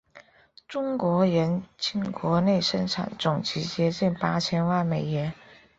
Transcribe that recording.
中国人均国内生产总值接近八千万美元。